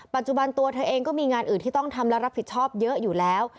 ปัจจุบันตัวเธอเองก็มีงานอื่นที่ต้องทำและรับผิดชอบเยอะอยู่แล้ว